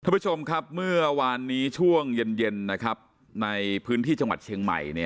ผู้ชมครับเมื่อวานนี้ช่วงเย็นในพื้นที่จังหวัดเชียงใหม่